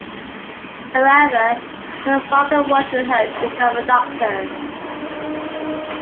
However her father wanted her to become a doctor.